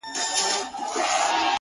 • مخ يې واړاوه يو ځل د قاضي لور ته,